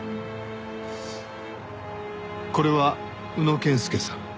これは宇野健介さん。